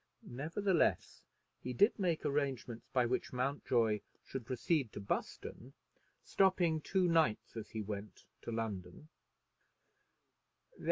Nevertheless, he did make arrangements by which Mountjoy should proceed to Buston, stopping two nights as he went to London.